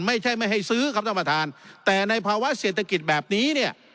ไม่ใช่ไม่ให้ซื้อครับท่านประธานแต่ในภาวะเศรษฐกิจแบบนี้เนี่ย